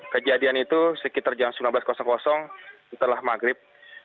kejadian itu sekitar jam sembilan belas setelah maghrib